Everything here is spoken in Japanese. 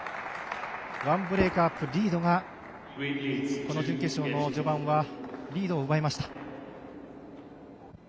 １ブレイクアップリードが、この準決勝の序盤はリードを奪いました。